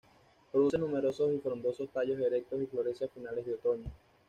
Produce numerosos y frondosos tallos erectos y florece a finales de otoño.